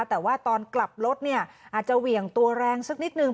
แต่ว่าตอนกลับรถเนี่ยอาจจะเหวี่ยงตัวแรงสักนิดนึง